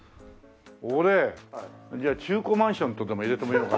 俺じゃあ中古マンションとでも入れてみようか。